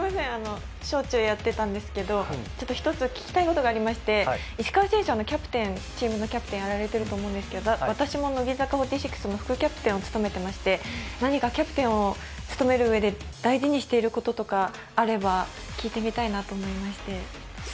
小中やってたんですけど一つ聞きたいことがありまして石川選手、チームのキャプテンをやられていると思うんですけど私も乃木坂４６の副キャプテンを務めていまして、何かキャプテンを務めるうえで大事にしてることとかあれば聞いてみたいなと思いまして。